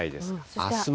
あすも。